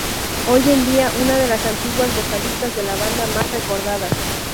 Hoy en día es una de las antiguas vocalistas de la banda más recordadas.